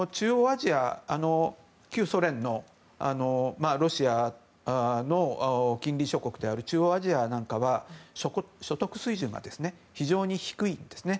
旧ソ連のロシアの近隣諸国である中央アジア南下は所得水準が非常に低いんですね。